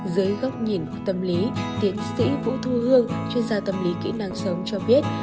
dưới góc nhìn của tâm lý tiến sĩ vũ thu hương chuyên gia tâm lý kỹ năng sống cho biết